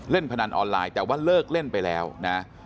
พนันออนไลน์แต่ว่าเลิกเล่นไปแล้วนะ